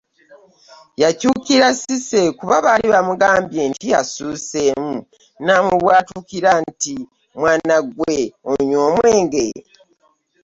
Yakyukira Cissy kuba baali bamugambye nti assuuseemu namubwatukira nti "Mwana ggwe onywa omwenge?